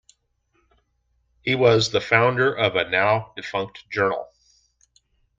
He was the founder of a now-defunct journal.